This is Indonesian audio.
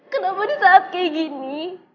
kenapa di saat kayak gini